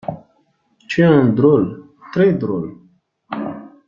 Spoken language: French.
Tu es un drôle très-drole.